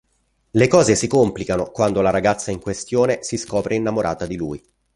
Le cose si complicano quando la ragazza in questione si scopre innamorata di lui.